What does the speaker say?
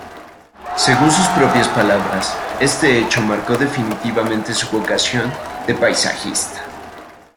Según sus propias palabras, este hecho marcó definitivamente su vocación de paisajista.